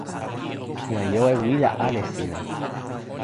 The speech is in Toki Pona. sina jo e wile ale sina!